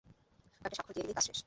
কয়েকটা স্বাক্ষর দিয়ে দিলেই কাজ শেষ।